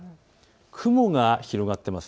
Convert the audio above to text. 雲が広がっています。